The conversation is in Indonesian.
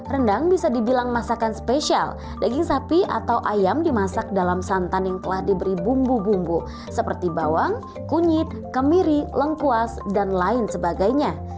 rendang bisa dibilang masakan spesial daging sapi atau ayam dimasak dalam santan yang telah diberi bumbu bumbu seperti bawang kunyit kemiri lengkuas dan lain sebagainya